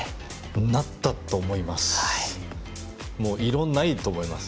なったと思います。